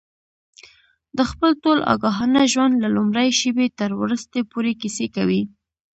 د خپل ټول آګاهانه ژوند له لومړۍ شېبې تر وروستۍ پورې کیسې کوي.